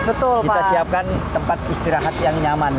betul kita siapkan tempat istirahat yang nyaman